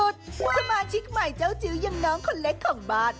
สมาชิกใหม่เจ้าจิ๋วอย่างน้องคนเล็กของบ้าน